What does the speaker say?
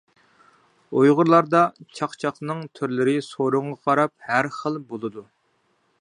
ئۇيغۇرلاردا چاقچاقنىڭ تۈرلىرى سورۇنغا قاراپ ھەر خىل بولىدۇ.